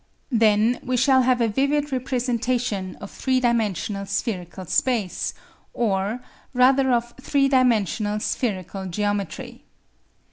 Then we shall have a vivid representation of three dimensional spherical space, or, rather of three dimensional spherical geometry.